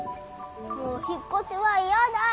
もうお引っ越しは嫌だい。